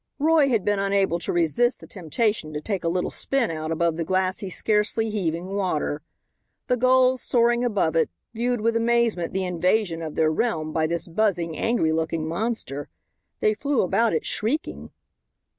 Roy had been unable to resist the temptation to take a little spin out above the glassy, scarcely heaving water. The gulls, soaring above it, viewed with amazement the invasion of their realm by this buzzing, angry looking monster. They flew about it shrieking.